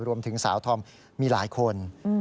รวมถึงสาวธอมมีหลายคน